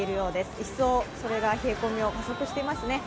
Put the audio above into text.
一層、それが冷え込みを加速していますね。